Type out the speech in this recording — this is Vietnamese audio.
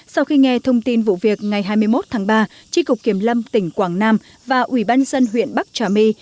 sau khi nghe thông tin vụ việc ngày hai mươi một tháng ba tri cục kiểm lâm tỉnh quảng nam và ủy ban dân huyện bắc trà my